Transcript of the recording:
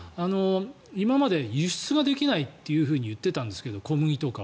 今まで輸出ができないと言ってたんですが小麦とか。